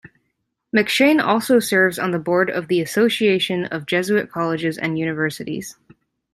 McShane also serves on the board of the Association of Jesuit Colleges and Universities.